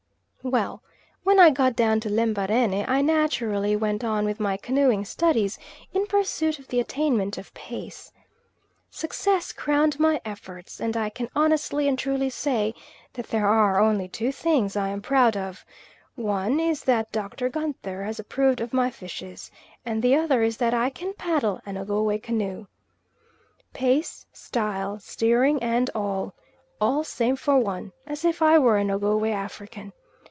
Well, when I got down to Lembarene I naturally went on with my canoeing studies, in pursuit of the attainment of pace. Success crowned my efforts, and I can honestly and truly say that there are only two things I am proud of one is that Doctor Gunther has approved of my fishes, and the other is that I can paddle an Ogowe canoe. Pace, style, steering and all, "All same for one" as if I were an Ogowe African.